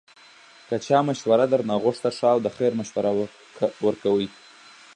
که چا مشوره درنه غوښته، ښه او د خیر مشوره ورکوئ